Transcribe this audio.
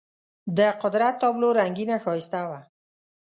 د قدرت تابلو رنګینه ښایسته وه.